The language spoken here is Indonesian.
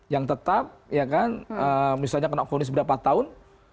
yang tetap misalnya kena kronis beberapa tahun